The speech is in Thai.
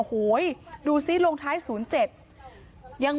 โปรดติดตามตอนต่อไป